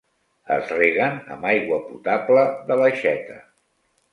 Es reguen amb aigua potable de l'aixeta.